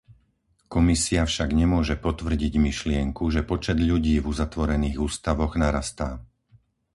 Komisia však nemôže potvrdiť myšlienku, že počet ľudí v uzatvorených ústavoch narastá.